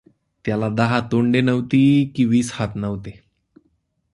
त्याला दहा तोंडे नव्हती की वीस हात नव्हते.